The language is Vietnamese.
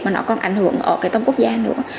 mà nó còn ảnh hưởng ở cái tầm quốc gia nữa